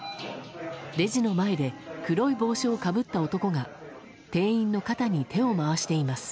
レジの前で黒い帽子をかぶった男が店員の肩に手を回しています。